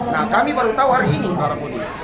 nah kami baru tahu hari ini alhamdulillah